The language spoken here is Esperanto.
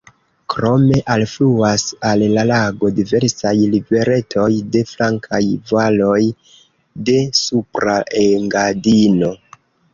Krome alfluas al la lago diversaj riveretoj de flankaj valoj de Supra Engadino.